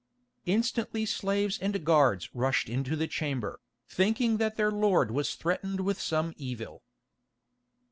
Instantly slaves and guards rushed into the chamber, thinking that their lord was threatened with some evil.